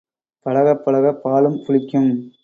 பழகப் பழகப் பாலும் புளிக்கும்.